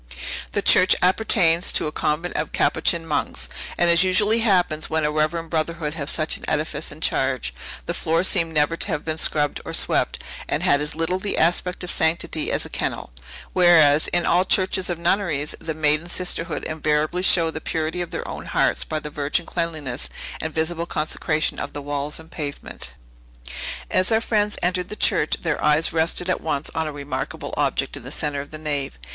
The church appertains to a convent of Capuchin monks; and, as usually happens when a reverend brotherhood have such an edifice in charge, the floor seemed never to have been scrubbed or swept, and had as little the aspect of sanctity as a kennel; whereas, in all churches of nunneries, the maiden sisterhood invariably show the purity of their own hearts by the virgin cleanliness and visible consecration of the walls and pavement. As our friends entered the church, their eyes rested at once on a remarkable object in the centre of the nave.